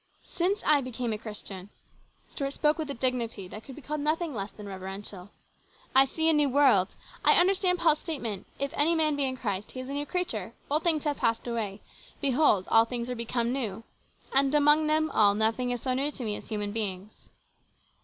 Since I became a Christian," Stuart spoke with a dignity that could be called nothing less than reverential, " I see a new world. I understand Paul's statement, ' If any man be in Christ, he is a new creature : old things have passed away ; behold, all things are become new.' And among them all nothing is so new to me as human beings."